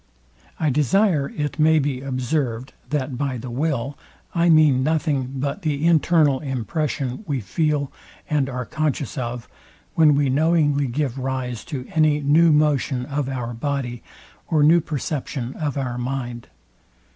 I desire it may be observed, that by the will, I mean nothing but the internal impression we feel and are conscious of, when we knowingly give rise to any new motion of our body, or new perception of our mind.